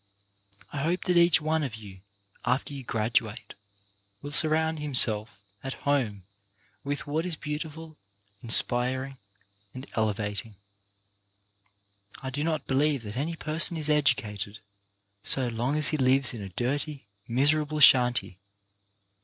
I hope that each one of you, after you gradu ate, will surround himself at home with what is beautiful, inspiring and elevating. I do not be lieve that any person is educated so long as he lives in a dirty, miserable shanty.